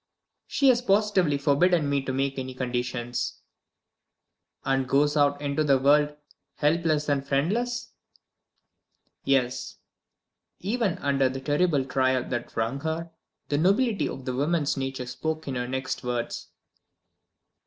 "She has positively forbidden me to make conditions." "And goes out into the world, helpless and friendless?" "Yes." Even under the terrible trial that wrung her, the nobility of the woman's nature spoke in her next words.